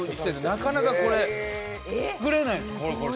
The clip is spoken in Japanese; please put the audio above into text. なかなか作れないです